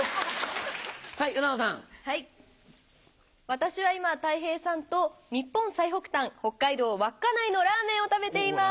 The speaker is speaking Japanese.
私は今たい平さんと日本最北端北海道稚内のラーメンを食べています。